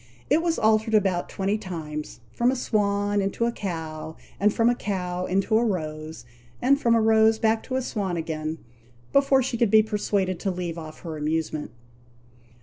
It was altered about twenty times from a swan into a cow, and from a cow into a rose, and from a rose back to a swan again, before she could be persuaded to leave off her amusement.